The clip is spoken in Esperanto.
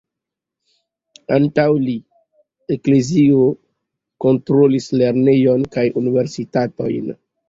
Antaŭ li, Eklezio kontrolis lernejojn kaj Universitatojn.